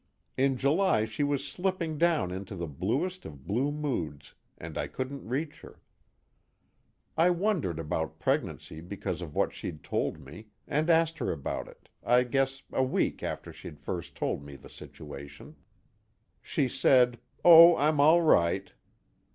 In July she was slipping down into the bluest of blue moods, and I couldn't reach her. I wondered about pregnancy because of what she'd told me, and asked her about it, I guess a week after she'd first told me the situation. She said: 'Oh, I'm all right.'